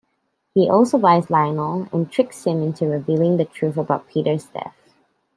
He also buys Lionel and tricks him into revealing the truth about Peter's death.